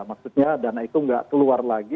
maksudnya dana itu nggak keluar lagi